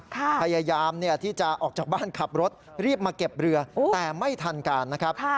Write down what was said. พยายามที่จะออกจากบ้านขับรถรีบมาเก็บเรือแต่ไม่ทันการนะครับ